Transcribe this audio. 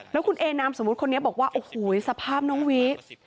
แล้วคุณเอนามสมมุติคนนี้บอกว่าโอ้โหสภาพน้องวิ